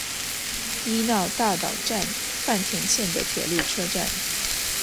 伊那大岛站饭田线的铁路车站。